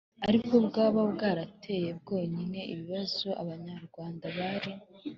ari bwo bwaba bwarateye bwonyine ibibazo Abanyarwanda bari